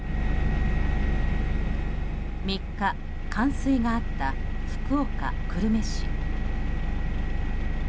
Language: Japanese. ３日、冠水があった福岡・久留米市。